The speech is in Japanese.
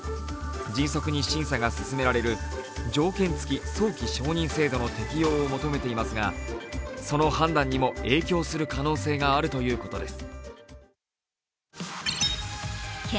迅速に審査が進められる条件付き早期承認制度の適用を求めていますがその判断にも影響する可能性があるということです。